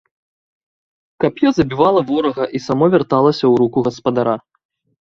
Кап'ё забівала ворага і само вярталася ў руку гаспадара.